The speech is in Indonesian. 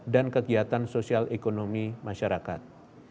dan kegiatan sosial ekonomi masyarakat